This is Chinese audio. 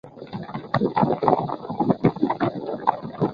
长触合跳蛛为跳蛛科合跳蛛属的动物。